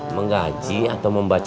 mengaji atau membaca